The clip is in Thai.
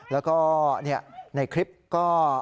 แล้วก็ในคลิปก็